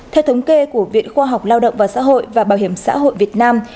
theo thống kê của viện khoa học lao động và xã hội và bảo hiểm xã hội việt nam